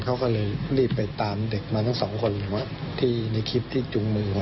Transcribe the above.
เขาก็เลยรีบไปตามเด็กมาทั้งสองคนเลยว่าที่ในคลิปที่จุงมือ